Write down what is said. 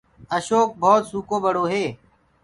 اشوڪ ڀوت سُڪو ٻڙو هي۔